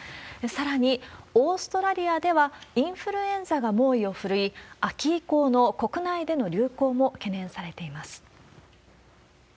さらに、オーストラリアでは、インフルエンザが猛威を振るい、秋以降の国内での流行も懸念されています。